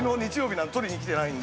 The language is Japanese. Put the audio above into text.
なんで取りに来てないんで。